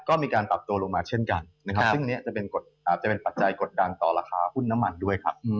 ก็มีการปรับตัวลงมาเช่นกันนะครับซึ่งอันนี้จะเป็นปัจจัยกดดันต่อราคาหุ้นน้ำมันด้วยครับ